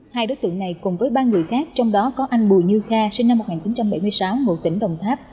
hai đối tượng này cùng với ba người khác trong đó có anh bùi như kha sinh năm một nghìn chín trăm bảy mươi sáu ngụ tỉnh đồng tháp